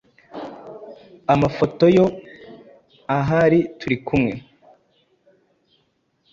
amafoto yo ahari turi kumwe,